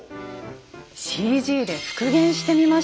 ＣＧで復元してみました。